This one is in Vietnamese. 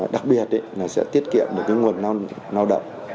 đặc biệt là sẽ tiết kiệm được cái nguồn năng lao động